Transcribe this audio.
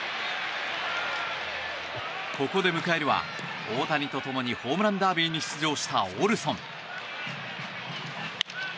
ここで迎えるは大谷と共にホームランダービーに出場したオルソン。